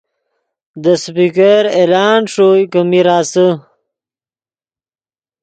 دے سپیکر اعلان ݰوئے کہ میر آسے